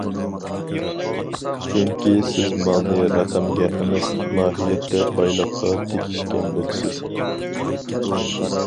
چۈنكى سىز مالنى رەقەمگە ئەمەس، ماھىيەتتە بايلىققا تېگىشكەن بولىسىز.